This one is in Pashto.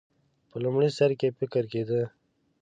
په لومړي سر کې فکر کېده.